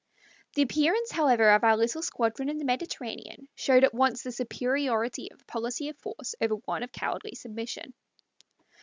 The appearance, however, of our little squadron in the Mediterranean showed at once the superiority of a policy of force over one of cowardly submission.